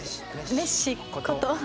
メッシこと。